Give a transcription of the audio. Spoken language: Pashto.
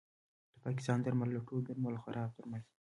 د پاکستان درمل له ټولو درملو خراب درمل دي